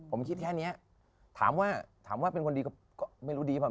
ผมคิดแค่นี้ถามว่าเป็นคนดีก็ไม่รู้ดี